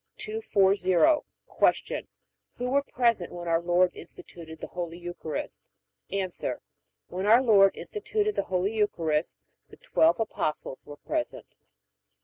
240. Q. Who were present when our Lord instituted the Holy Eucharist? A. When our Lord instituted the Holy Eucharist the twelve Apostles were present.